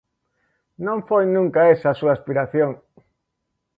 Non foi nunca esa a súa aspiración.